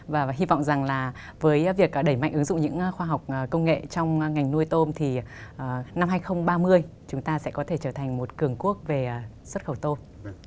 và hy vọng rằng là với việc đẩy mạnh ứng dụng những khoa học công nghệ trong ngành nuôi tôm thì năm hai nghìn ba mươi chúng ta sẽ có thể trở thành một cường quốc về xuất khẩu tôm